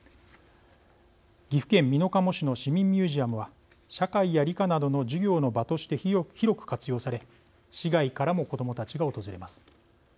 岐阜県美濃加茂市の市民ミュージアムは社会や理科などの授業の場として広く活用され市外からも子どもたちが訪れます。